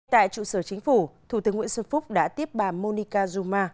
tại trụ sở chính phủ thủ tướng nguyễn xuân phúc đã tiếp bà monica zuma